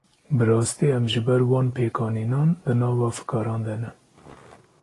Bi rastî em ji ber van pêkanînan, di nava fikaran de ne